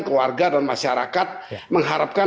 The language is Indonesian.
keluarga dan masyarakat mengharapkan